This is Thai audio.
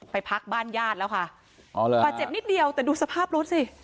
ไปพักบ้านญาติแล้วค่ะอ๋อเหรอบาดเจ็บนิดเดียวแต่ดูสภาพรถสิ